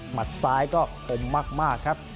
หมัดซ้ายก็โอมมากครับ